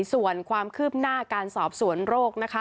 ส่วนความคืบหน้าการสอบสวนโรคนะคะ